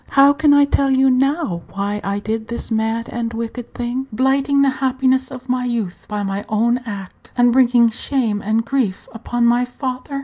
How can I tell you now why I did this mad and wicked thing, blighting the happiness of my youth by my own act, and bringing shame and grief upon my father?